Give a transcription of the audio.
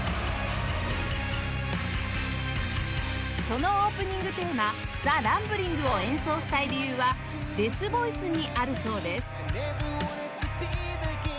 そのオープニングテーマ『ＴｈｅＲｕｍｂｌｉｎｇ』を演奏したい理由はデスボイスにあるそうです